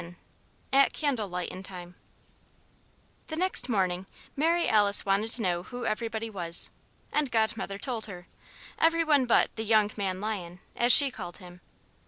VII AT CANDLE LIGHTIN' TIME The next morning, Mary Alice wanted to know who everybody was; and Godmother told her every one but "the young man lion" as she called him.